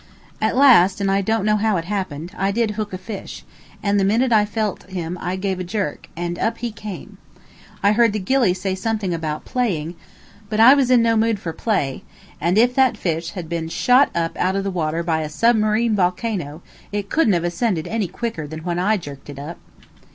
At last and I don't know how it happened I did hook a fish, and the minute I felt him I gave a jerk, and up he came. I heard the gilly say something about playing, but I was in no mood for play, and if that fish had been shot up out of the water by a submarine volcano it couldn't have ascended any quicker than when I jerked it up.